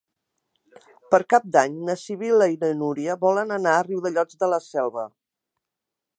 Per Cap d'Any na Sibil·la i na Núria volen anar a Riudellots de la Selva.